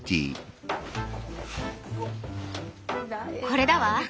これだわ。